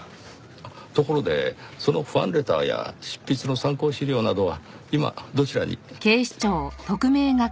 ところでそのファンレターや執筆の参考資料などは今どちらに？